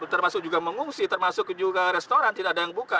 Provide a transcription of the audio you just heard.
termasuk juga mengungsi termasuk juga restoran tidak ada yang buka